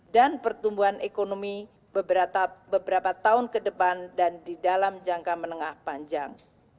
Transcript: dan pertumbuhan ekonomi beberapa tahun ke depan dan di dalam jangka menengah panjang